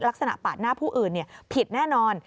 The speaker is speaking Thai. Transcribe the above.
ลักษณะปาดหน้าผู้อื่นผิดแน่นอน